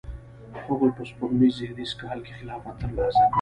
هغوی په سپوږمیز زیږدیز کال کې خلافت ترلاسه کړ.